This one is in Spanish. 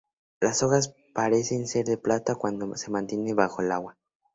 Las hojas parecen ser de plata cuando se mantiene bajo el agua.